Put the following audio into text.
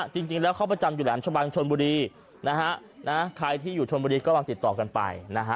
จริงแล้วเขาประจำอยู่แหลมชะบังชนบุรีนะฮะใครที่อยู่ชนบุรีก็ลองติดต่อกันไปนะฮะ